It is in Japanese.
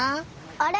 あれ？